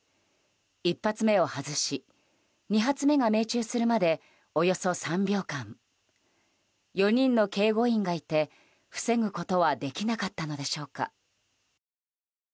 １発目を外し、２発目が命中するまでおよそ３秒間４人の警備員がいて、防ぐことはできなかったのでしょうか。